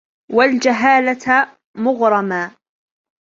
وَالْجَهَالَةَ مَغْرَمًا